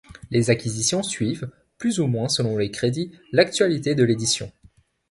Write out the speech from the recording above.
Les acquisitions suivent, plus ou moins selon les crédits, l'actualité de l'édition.